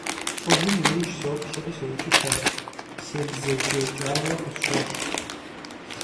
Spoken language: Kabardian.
ЛӀыжьым и ужь соплъэри соукӀытэ, себзэджэкӀауэ къысщохъу.